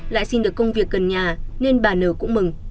lại xin được công việc gần nhà nên bà nở cũng mừng